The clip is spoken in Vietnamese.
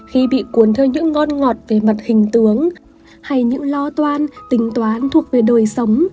khi bị cuốn theo những ngon ngọt về mặt hình tướng hay những lo toan tính toán thuộc về đời sống